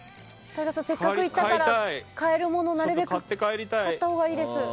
せっかく行ったから買いたいものは買ったほうがいいです。